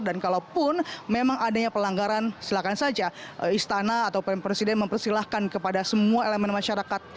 dan kalaupun memang adanya pelanggaran silakan saja istana atau pempresiden mempersilahkan kepada semua elemen masyarakat